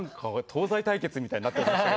東西対決みたいになってました。